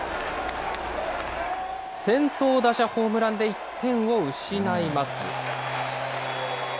先頭打者ホームランで１点を失います。